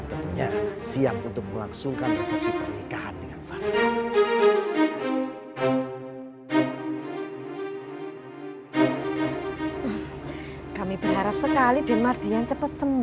kita sudah terlambat